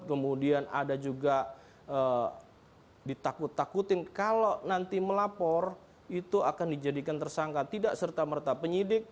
kemudian ada juga ditakut takutin kalau nanti melapor itu akan dijadikan tersangka tidak serta merta penyidik